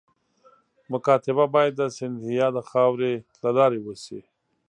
مکاتبه باید د سیندهیا د خاوري له لارې وشي.